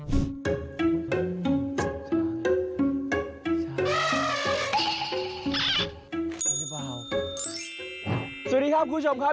สวัสดีครับคุณผู้ชมครับ